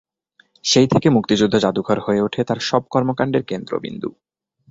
সেই থেকে মুক্তিযুদ্ধ জাদুঘর হয়ে ওঠে তার সব কর্মকাণ্ডের কেন্দ্রবিন্দু।